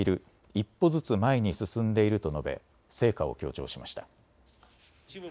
１歩ずつ前に進んでいると述べ成果を強調しました。